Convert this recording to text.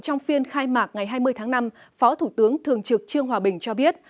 học viên khai mạc ngày hai mươi tháng năm phó thủ tướng thường trực trương hòa bình cho biết